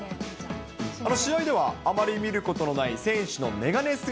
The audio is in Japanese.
試合ではあまり見ることのない選手のメガネ姿。